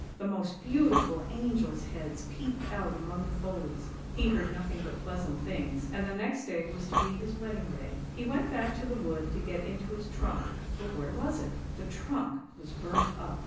" The most beautiful angels' heads peeped out among the folds." He heard nothing but pleasant things and the next day was to be his wedding day. He went back to the wood to get into his trunk — but where was it? The trunk was burnt up.